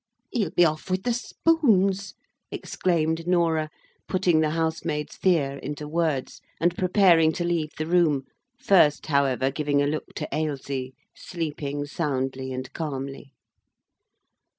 "He'll be off with the spoons!" exclaimed Norah, putting the housemaid's fear into words, and preparing to leave the room, first, however, giving a look to Ailsie, sleeping soundly and calmly.